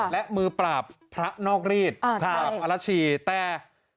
และมือปราบพระนอกรีดอ่าใช่ปราบอลัชชีแต่